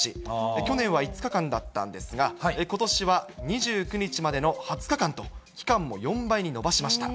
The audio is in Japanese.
去年は５日間だったんですが、ことしは２９日までの２０日間と、期間も４倍に伸ばしました。